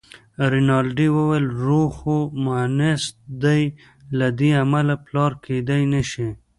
رینالډي وویل: روم خو مونث دی، له دې امله پلار کېدای نه شي.